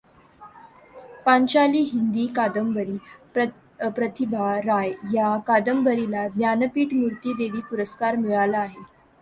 पांचाली हिंदी कादंबरी प्रतिभा राय या कादंबरीला ज्ञानपीठ मूर्ति देवी पुरस्कार मिळाला आहे.